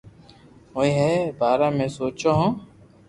ھوئي اي ري بارا ۾ سوچو ھونن